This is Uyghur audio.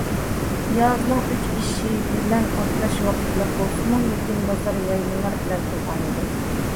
‹‹ يازنىڭ ئۈچ ئىشى›› بىلەن ئالدىراش ۋاقىتلار بولسىمۇ، لېكىن بازار يايمىلار بىلەن تولغانىدى.